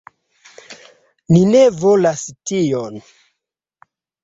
Ni ne volas tion.